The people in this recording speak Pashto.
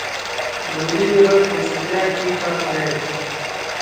د مړینې غږ په چوپتیا کې ښخ دی.